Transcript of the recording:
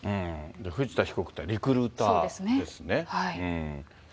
藤田被告というのは、リクルーターですね。